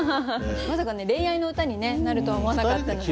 まさかね恋愛の歌になるとは思わなかったので。